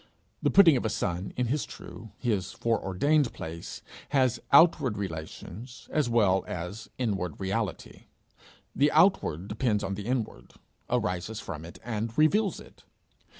The putting of a son in his true, his foreordained place, has outward relations as well as inward reality; the outward depends on the inward, arises from it, and reveals it.